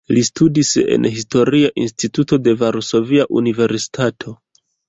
Li studis en Historia Instituto de Varsovia Universitato.